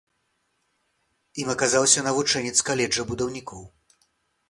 Ім аказаўся навучэнец каледжа будаўнікоў.